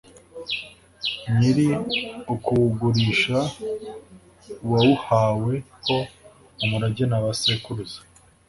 Nyir ukuwugurisha uwawuhawe ho umurage na ba sekuruza